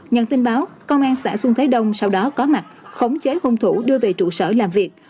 nhận tin báo công an xã xuân thế đông sau đó có mặt khống chế hung thủ đưa về trụ sở làm việc